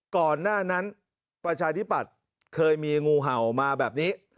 ก่อนหน้านั้นประชาธิปัตย์เคยมีงูเห่ามาแบบนี้